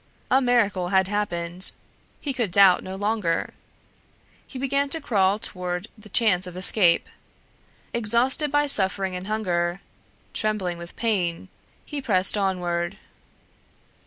A miracle had happened. He could doubt no longer. He began to crawl toward the chance of escape. Exhausted by suffering and hunger, trembling with pain, he pressed onward.